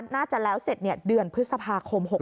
น่าจะแล้วเสร็จเดือนพฤษภาคม๖หน้านะคะ